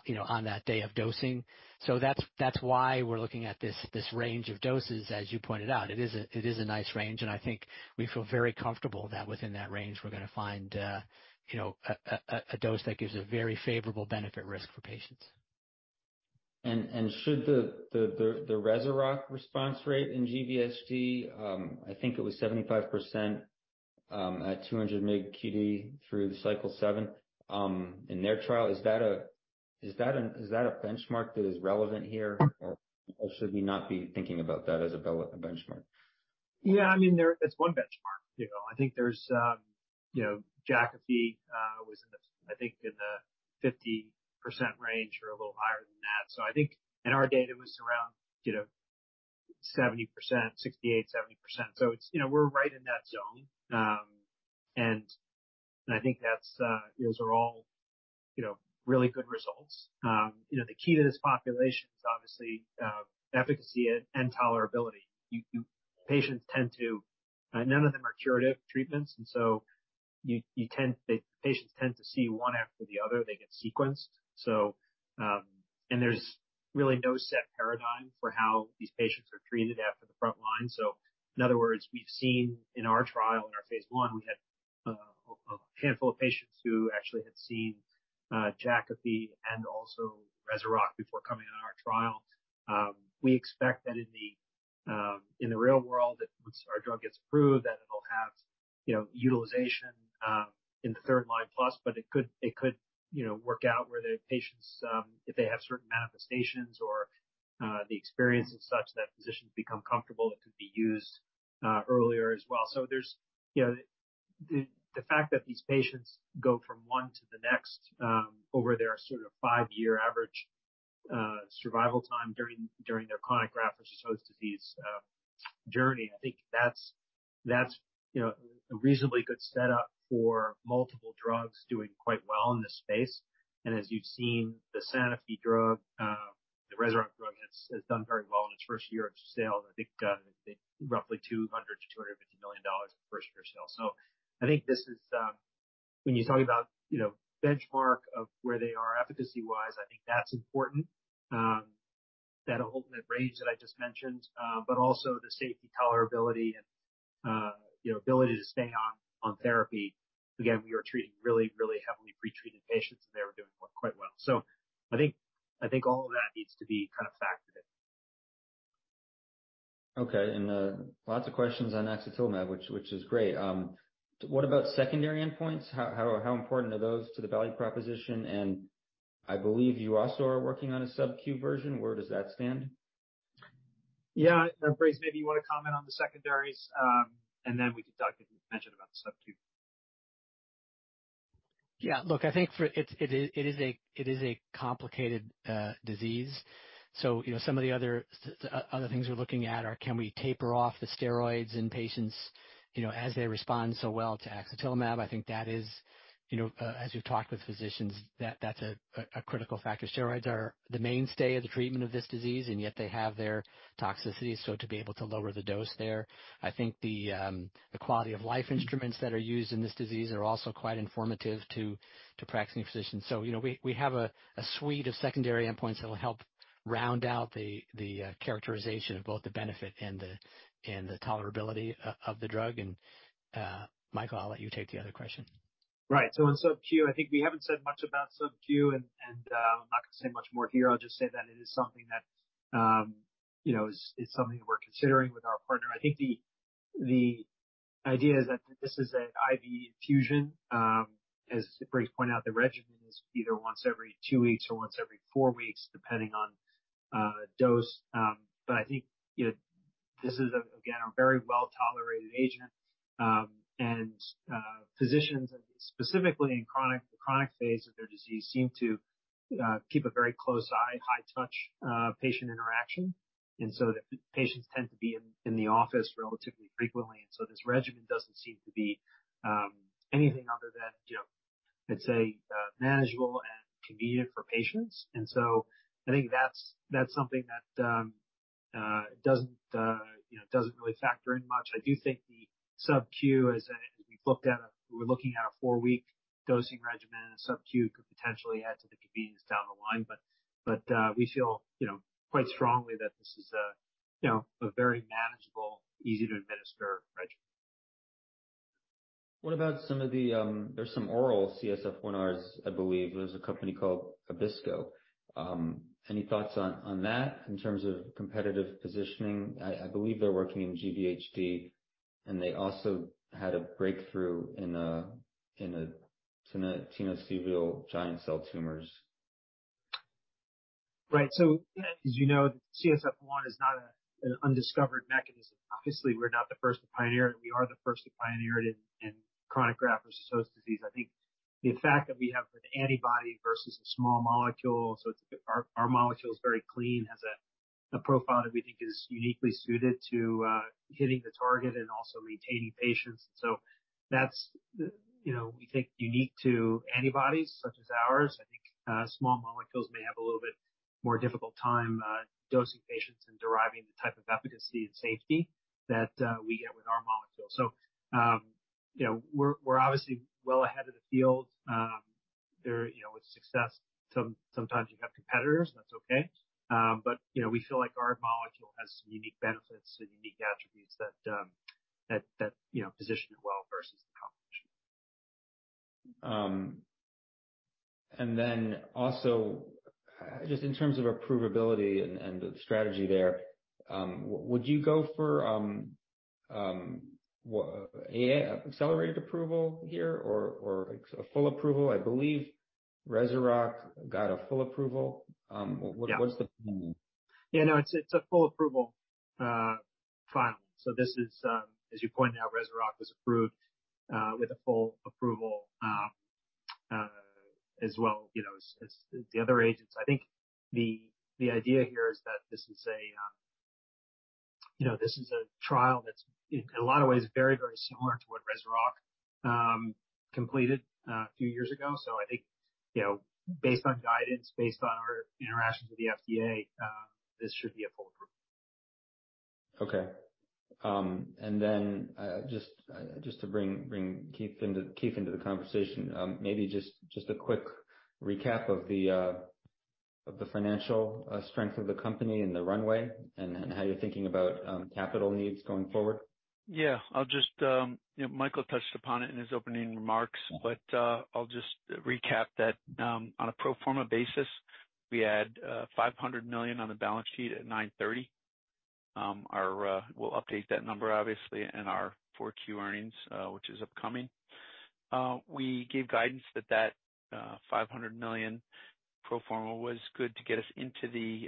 you know, on that day of dosing. That's why we're looking at this range of doses, as you pointed out. It is a nice range, and I think we feel very comfortable that within that range, we're gonna find, you know, a dose that gives a very favorable benefit risk for patients. Should the REZUROCK response rate in GVHD, I think it was 75%, at 200 mg QD through the cycle seven, in their trial. Is that a benchmark that is relevant here? Should we not be thinking about that as a benchmark? Yeah. I mean, it's one benchmark, you know. I think there's, you know, Jakafi, was in the, I think in the 50% range or a little higher than that. I think in our data was around, you know, 70%, 68%, 70%. It's, you know, we're right in that zone. I think that's, those are all, you know, really good results. You know, the key to this population is obviously, efficacy and tolerability. Patients tend to, none of them are curative treatments, and so the patients tend to see one after the other, they get sequenced. There's really no set paradigm for how these patients are treated after the front line. In other words, we've seen in our trial, in our phase 1, we had a handful of patients who actually had seen Jakafi and also REZUROCK before coming on our trial. We expect that in the real world, that once our drug gets approved, that it'll have, you know, utilization in the third line plus, but it could, you know, work out where the patients if they have certain manifestations or the experience is such that physicians become comfortable, it could be used earlier as well. There's, you know, the fact that these patients go from one to the next over their sort of five-year average survival time during their chronic graft-versus-host disease journey. I think that's, you know, a reasonably good setup for multiple drugs doing quite well in this space. As you've seen, the Sanofi drug, the REZUROCK drug has done very well in its first year of sales. I think roughly $200 million-$250 million in first year sales. I think this is, when you talk about, you know, benchmark of where they are efficacy-wise, I think that's important, that ultimate range that I just mentioned, but also the safety tolerability and, you know, ability to stay on therapy. Again, we are treating really heavily pre-treated patients, and they are doing quite well. I think all of that needs to be kind of factored in. Okay. Lots of questions on axatilimab which is great. What about secondary endpoints? How important are those to the value proposition? I believe you also are working on a sub-Q version. Where does that stand? Briggs, maybe you wanna comment on the secondaries, and then we can talk, as you mentioned, about the sub-Q. Yeah. Look, I think it's a complicated disease. You know, some of the other things we're looking at are can we taper off the steroids in patients, you know, as they respond so well to axatilimab? I think that is, you know, as you've talked with physicians, that's a critical factor. Steroids are the mainstay of the treatment of this disease, and yet they have their toxicity, so to be able to lower the dose there. I think the quality of life instruments that are used in this disease are also quite informative to practicing physicians. You know, we have a suite of secondary endpoints that will help round out the characterization of both the benefit and the tolerability of the drug. Michael, I'll let you take the other question. Right. On sub-Q, I think we haven't said much about sub-Q and I'm not gonna say much more here. I'll just say that it is something that, you know, is something that we're considering with our partner. I think the idea is that this is an IV infusion. As Briggs pointed out, the regimen is either once every two weeks or once every four weeks, depending on dose. I think, you know, this is, again, a very well-tolerated agent. Physicians, specifically in chronic phase of their disease, seem to keep a very close eye, high touch, patient interaction. The patients tend to be in the office relatively frequently. This regimen doesn't seem to be anything other than, you know, I'd say, manageable and convenient for patients. I think that's something that doesn't, you know, doesn't really factor in much. I do think the sub-Q, as we've looked at, we're looking at a 4-week dosing regimen, and sub-Q could potentially add to the convenience down the line. We feel, you know, quite strongly that this is a, you know, a very manageable, easy-to-administer regimen. What about some of the oral CSF1Rs, I believe. There's a company called Abbisko. Any thoughts on that in terms of competitive positioning? I believe they're working in GVHD, and they also had a breakthrough in a tenosynovial giant cell tumors. Right. As you know, CSF1 is not an undiscovered mechanism. Obviously, we're not the first to pioneer it, and we are the first to pioneer it in chronic graft-versus-host disease. I think the fact that we have an antibody versus a small molecule, our molecule is very clean, has a profile that we think is uniquely suited to hitting the target and also retaining patients. That's, you know, we think unique to antibodies such as ours. I think small molecules may have a little bit more difficult time dosing patients and deriving the type of efficacy and safety that we get with our molecule. You know, we're obviously well ahead of the field. There, you know, with success, sometimes you have competitors, and that's okay. You know, we feel like our molecule has some unique benefits and unique attributes that, you know, position it well versus the competition. Also just in terms of approvability and the strategy there, would you go for AA, accelerated approval here or a full approval? I believe REZUROCK got a full approval. Yeah. What's the plan? No, it's a full approval filing. This is, as you pointed out, REZUROCK was approved with a full approval as well, you know, as the other agents. I think the idea here is that this is a, you know, this is a trial that's in a lot of ways very, very similar to what REZUROCK completed a few years ago. I think, you know, based on guidance, based on our interactions with the FDA, this should be a full approval. Okay. Just to bring Keith into the conversation. Maybe just a quick recap of the financial strength of the company and the runway and how you're thinking about capital needs going forward. Yeah. I'll just, you know, Michael touched upon it in his opening remarks, I'll just recap that on a pro forma basis, we had $500 million on the balance sheet at 9/30. Our, we'll update that number obviously in our 4Q earnings, which is upcoming. We gave guidance that that $500 million pro forma was sufficient to get us into the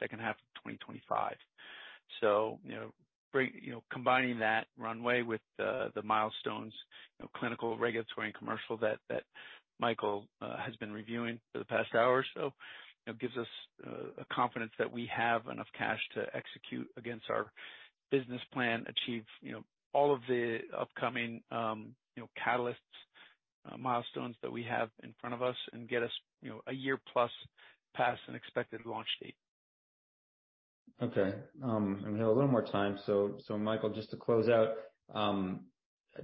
second half of 2025. You know, combining that runway with the milestones, you know, clinical, regulatory, and commercial that Michael has been reviewing for the past hour or so, you know, gives us a confidence that we have enough cash to execute against our business plan, achieve, you know, all of the upcoming, you know, catalysts, milestones that we have in front of us and get us, you know, a year plus past an expected launch date. We have a little more time. Michael, just to close out,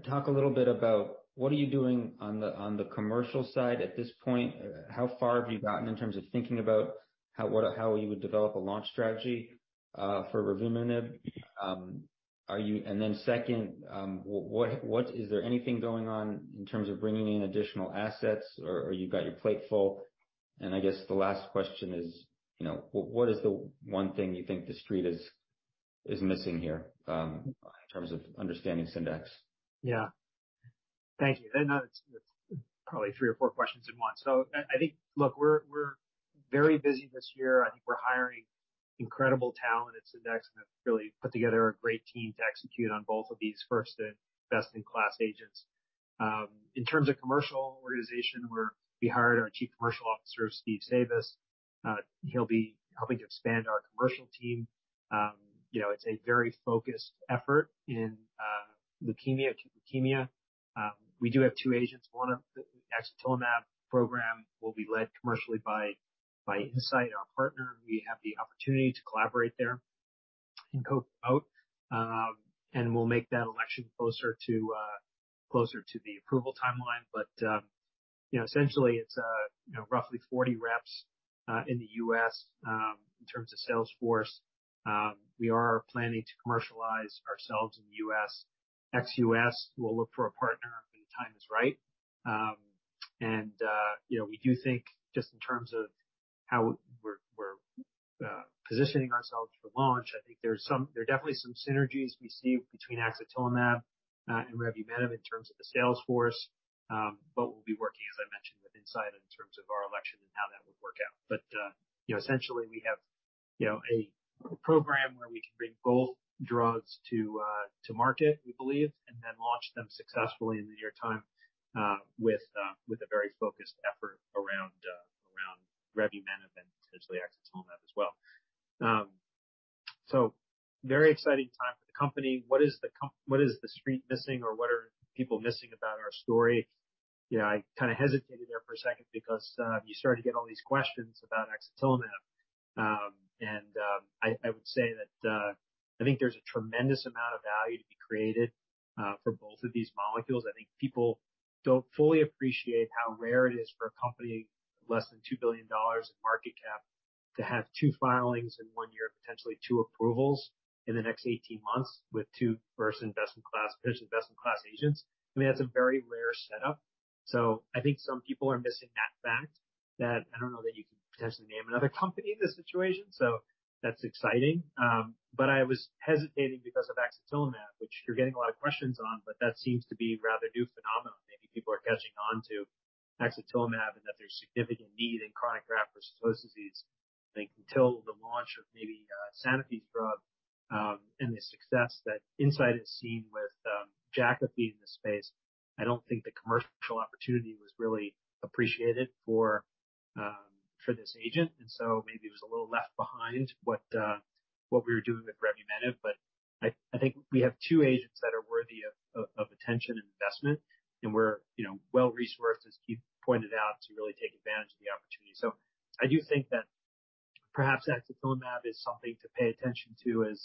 talk a little bit about what are you doing on the commercial side at this point? How far have you gotten in terms of thinking about how, what, how you would develop a launch strategy for revumenib? Then second, is there anything going on in terms of bringing in additional assets or you've got your plate full? I guess the last question is, you know, what is the one thing you think the street is missing here in terms of understanding Syndax? Thank you. It's probably three or four questions in one. I think, look, we're very busy this year. I think we're hiring incredible talent at Syndax, and have really put together a great team to execute on both of these first and best-in-class agents. In terms of commercial organization, we hired our Chief Commercial Officer, Steve Sabus. He'll be helping to expand our commercial team. You know, it's a very focused effort in leukemia. We do have two agents. One of the axatilimab program will be led commercially by Incyte, our partner. We have the opportunity to collaborate there and co-out, and we'll make that election closer to closer to the approval timeline. You know, essentially it's, you know, roughly 40 reps in the U.S. in terms of sales force. We are planning to commercialize ourselves in the U.S. Ex-U.S., we'll look for a partner when the time is right. you know, we do think just in terms of how we're positioning ourselves for launch, I think there are definitely some synergies we see between axatilimab and revumenib in terms of the sales force. we'll be working, as I mentioned, with Incyte in terms of our election and how that would work out. you know, essentially we have, you know, a program where we can bring both drugs to market, we believe, and then launch them successfully in the near time with a very focused effort around revumenib and potentially axatilimab as well. very exciting time for the company. What is the what is the street missing or what are people missing about our story? You know, I kinda hesitated there for a second because you start to get all these questions about axatilimab. And I would say that I think there's a tremendous amount of value to be created for both of these molecules. I think people don't fully appreciate how rare it is for a company less than $2 billion in market cap to have two filings in one year, potentially two approvals in the next 18 months with two first and best-in-class agents. I mean, that's a very rare setup. I think some people are missing that fact that I don't know that you can potentially name another company in this situation, so that's exciting. I was hesitating because of axatilimab, which you're getting a lot of questions on, but that seems to be a rather new phenomenon. Maybe people are catching on to axatilimab and that there's significant need in chronic graft-versus-host disease. I think until the launch of maybe Sanofi's drug, and the success that Incyte has seen with Jakafi in the space, I don't think the commercial opportunity was really appreciated for this agent. Maybe it was a little left behind what we were doing with revumenib, but I think we have two agents that are worthy of attention and investment. We're, you know, well-resourced, as Keith pointed out, to really take advantage of the opportunity. I do think that perhaps axatilimab is something to pay attention to as,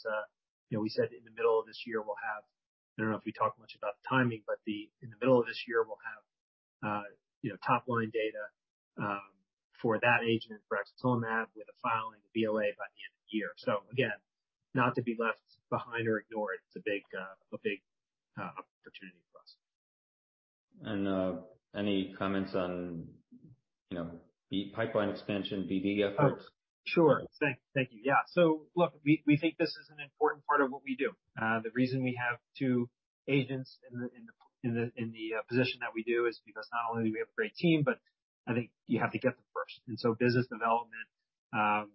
you know, we said in the middle of this year, we'll have... I don't know if we talked much about the timing, but in the middle of this year, we'll have, you know, top-line data for that agent for axatilimab with a filing BLA by the end of the year. Again, not to be left behind or ignored, it's a big, a big, opportunity for us. Any comments on, you know, the pipeline expansion, BD efforts? Sure. Thank you. Yeah. Look, we think this is an important part of what we do. The reason we have two agents in the position that we do is because not only do we have a great team, but I think you have to get them first. Business development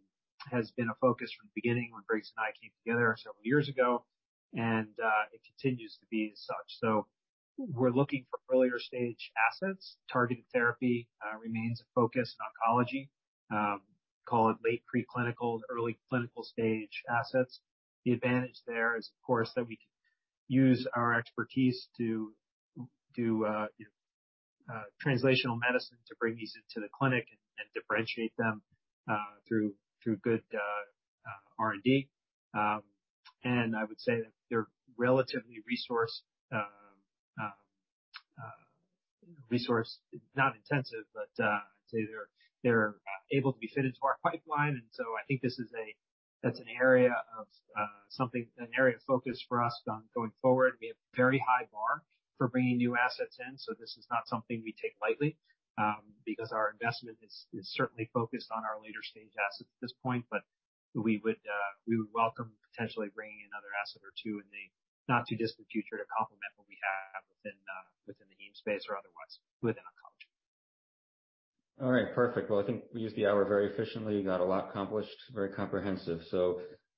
has been a focus from the beginning when Briggs and I came together several years ago, and it continues to be as such. We're looking for earlier stage assets. Targeted therapy remains a focus in oncology. Call it late pre-clinical and early clinical stage assets. The advantage there is, of course, that we can use our expertise to do translational medicine to bring these into the clinic and differentiate them through good R&D. I would say that they're relatively resource, not intensive, but I'd say they're able to be fitted into our pipeline. I think that's an area of focus for us going forward. We have a very high bar for bringing new assets in, so this is not something we take lightly, because our investment is certainly focused on our later stage assets at this point. We would welcome potentially bringing another asset or two in the not too distant future to complement what we have within the heme space or otherwise within oncology. All right. Perfect. Well, I think we used the hour very efficiently, got a lot accomplished, very comprehensive.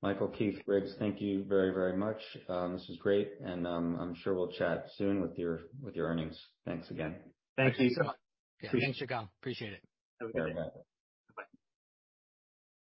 Michael, Keith, Briggs, thank you very, very much. This was great, and I'm sure we'll chat soon with your, with your earnings. Thanks again. Thank you. Thanks so much. Appreciate it. Thanks, everyone. Appreciate it. Have a good day. All right. Bye.